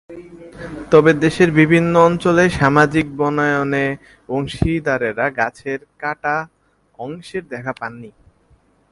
তবে দেশের বিভিন্ন অঞ্চলে সামাজিক বনায়নের অংশীদারেরা গাছের কাটা অংশেরও দেখা পাননি।